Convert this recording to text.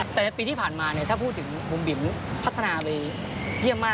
แต่ในปีที่ผ่านมาถ้าพูดถึงบุ๋มบิ๋มพัฒนาไปเยี่ยมมาก